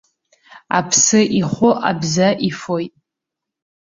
Аԥсы ихәы абза ифоит!